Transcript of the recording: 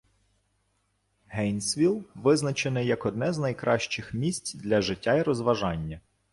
Гейнсвіл відзначений як одне з найкращих місць для життя й розважання.